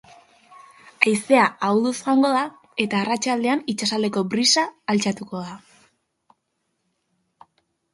Haizea ahulduz joango da eta arratsaldean itsasaldeko brisa altxatuko da.